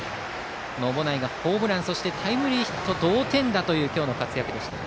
小保内がホームランそしてタイムリーヒット同点打という活躍。